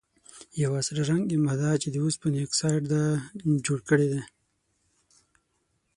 یوه سره رنګې ماده چې د اوسپنې اکسایډ ده جوړه کړي ده.